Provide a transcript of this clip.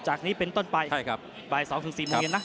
จากนี้เป็นต้นไปบ่าย๒๔โมงเย็นนะ